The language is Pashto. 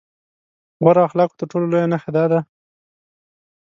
غوره اخلاقو تر ټولو لويه نښه دا ده.